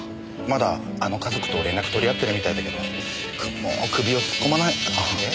まだあの家族と連絡取り合ってるみたいだけどもう首を突っ込まない方が。